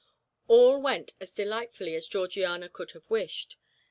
All went as delightfully as Georgiana could have wished.